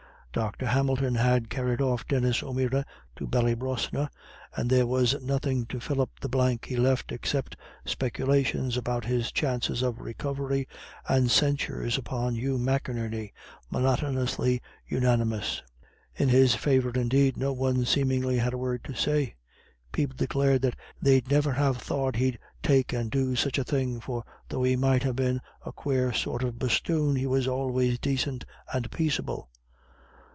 Dr. Hamilton had carried off Denis O'Meara to Ballybrosna, and there was nothing to fill up the blank he left except speculations about his chances of recovery, and censures upon Hugh McInerney, monotonously unanimous. In his favour, indeed, no one seemingly had a word to say. People declared that "they'd never have thought he'd take and do such a thing, for though he might ha' been a quare sort of bosthoon, he was always dacint and paiceable."